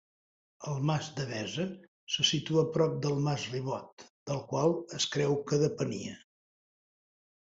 El Mas Devesa se situa prop del Mas Ribot, del qual es creu que depenia.